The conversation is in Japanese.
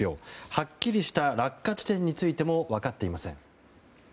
はっきりした落下地点についても分かっていません。